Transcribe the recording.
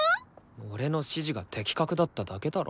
俺の指示が的確だっただけだろ。